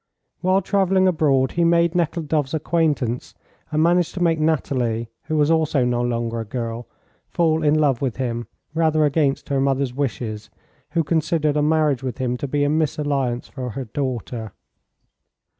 While travelling abroad he made Nekhludoff's acquaintance, and managed to make Nathalie, who was also no longer a girl, fall in love with him, rather against her mother's wishes who considered a marriage with him to be a misalliance for her daughter.